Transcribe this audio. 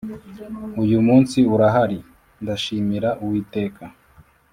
uyu munsi urahari, ndashimira uwiteka.